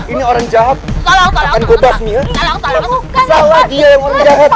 ini orang jahat salah dia yang orang jahat